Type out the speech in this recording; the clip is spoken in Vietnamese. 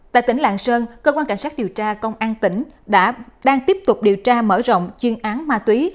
tại tỉnh lạng sơn cơ quan cảnh sát điều tra công an tỉnh đã tiếp tục điều tra mở rộng chuyên án ma túy